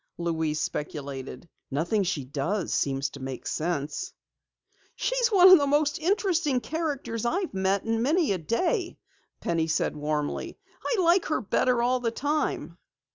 Louise speculated. "Nothing she does seems to make sense." "She's one of the most interesting characters I've met in many a day," Penny said warmly. "I like her better all the time."